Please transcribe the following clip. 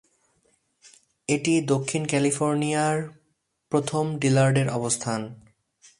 এটি দক্ষিণ ক্যালিফোর্নিয়ায় প্রথম ডিলার্ডের অবস্থান।